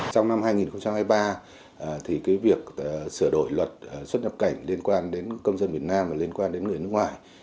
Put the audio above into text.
trong năm hai nghìn hai mươi ba thì việc sửa đổi luật xuất nhập cảnh liên quan đến công dân việt nam và liên quan đến người nước ngoài